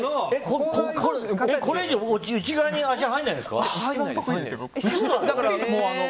これ以上内側に足入らないんだ。